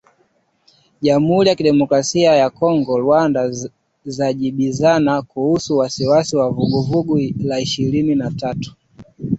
Jamhuri ya Kidemokrasia ya Kongo na Rwanda zajibizana kuhusu waasi wa Vuguvugu la Ishirini na tatu